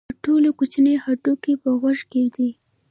تر ټولو کوچنی هډوکی په غوږ کې دی.